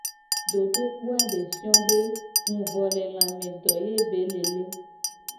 Dodokpo a de fio be huvolelame be do ye be le le.